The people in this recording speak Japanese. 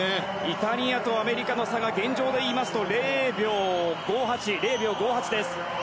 イタリアとアメリカの差が現状で言いますと０秒５８です。